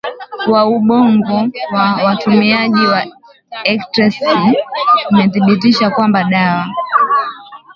wa ubongo wa watumiaji wa ecstasy umethibitisha kwamba dawa